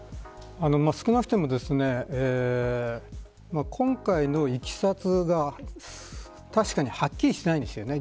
少なくとも、今回のいきさつが確かにはっきりしないんですよね。